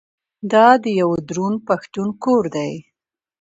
دا د یوه دروند پښتون کور دی.